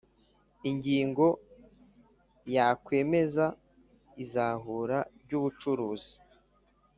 Ingingo ya kwemeza izahura ry ubucuruzi